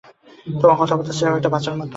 তোমার কথাবার্তা স্রেফ একটা বাচ্চার মতো।